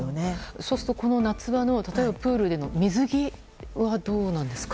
そうすると例えばプールでの水着はどうなんですか。